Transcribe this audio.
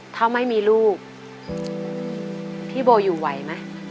ถ้าไม่มีลูกพี่โบอยู่ไหวไหม